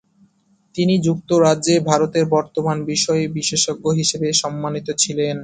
তিনি যুক্তরাজ্যে ভারতের বর্তমান বিষয়ে বিশেষজ্ঞ হিসেবে সম্মানিত ছিলেন।